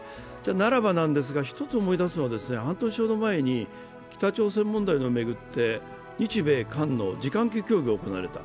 ならばなんですが、一つ思い出すのは半年ほど前に北朝鮮問題を巡って日米韓の次官級協議が行われた。